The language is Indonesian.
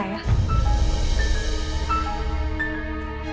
saya udah mau telfon